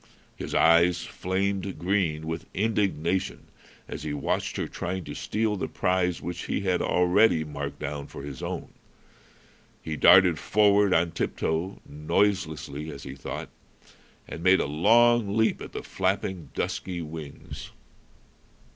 His eyes flamed green with indignation as he watched her trying to steal the prize which he had already marked down for his own. He darted forward on tip toe noiselessly, as he thought and made a long leap at the flapping, dusky wings.